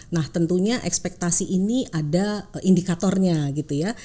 nah tentunya ekspektasi ini ada indikatornya gitu ya